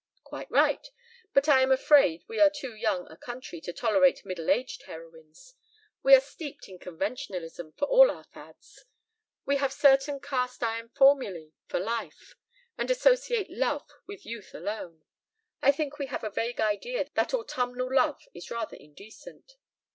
"Quite right. But I am afraid we are too young a country to tolerate middle aged heroines. We are steeped in conventionalism, for all our fads. We have certain cast iron formulae for life, and associate love with youth alone. I think we have a vague idea that autumnal love is rather indecent."